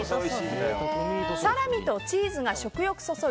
サラミとチーズが食欲そそる